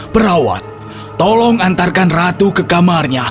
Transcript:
perawat tolong antarkan ratu ke kamarnya